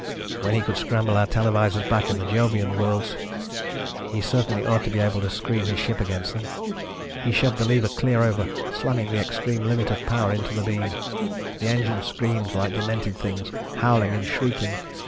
When he could scramble our televisors back in the Jovian worlds, he certainly ought to be able to screen his ship against them." He shoved the lever clear over, slamming the extreme limit of power into the beam. The engines screamed like demented things, howling and shrieking.